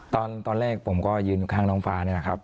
ตอนแรกผมก็ยืนข้างน้องฟ้าเนี่ยนะครับ